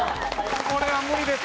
これは無理です。